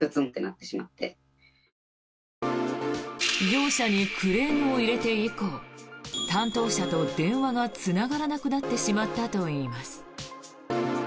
業者にクレームを入れて以降担当者と電話がつながらなくなってしまったといいます。